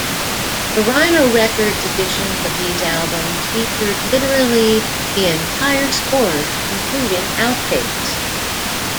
The Rhino Records editions of these albums featured literally the entire scores, including outtakes.